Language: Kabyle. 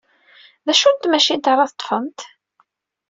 D acu n tmacint ara teḍḍfemt?